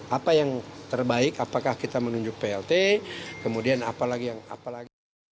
apa yang terbaik apakah kita menunjuk plt kemudian apa lagi yang